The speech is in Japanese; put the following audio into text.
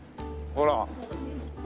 ほら。